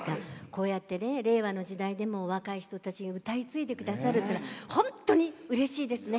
こうやって令和の時代でも若い人たち歌い継いでくださるっていうのは本当にうれしいですね。